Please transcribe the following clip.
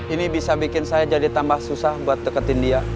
ini bisa bikin saya jadi tambah susah buat deketin dia